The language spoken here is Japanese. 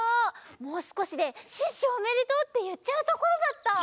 もうすこしで「シュッシュおめでとう！」っていっちゃうところだった！